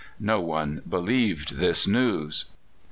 No one believed this news.